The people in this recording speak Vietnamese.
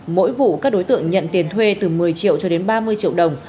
mỗi vụ các đối tượng nhận tiền thuê từ một mươi triệu cho đến ba mươi triệu đồng